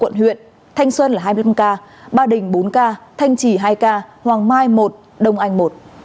quận huyện thanh xuân là hai mươi năm ca ba đình bốn ca thanh trì hai ca hoàng mai một đông anh một